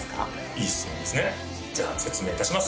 いい質問ですねじゃあ説明いたします